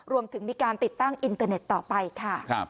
รวมถึงมีการติดตั้งอินเตอร์เน็ตต่อไปค่ะ